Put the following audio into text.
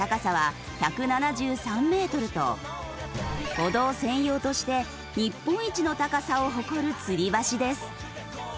歩道専用として日本一の高さを誇るつり橋です。